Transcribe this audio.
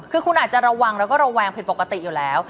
คือคุณอาจจะระวังแล้วก็ระแวงผิดปกติอยู่แล้ว